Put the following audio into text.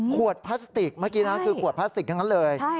พลาสติกเมื่อกี้นะคือขวดพลาสติกทั้งนั้นเลย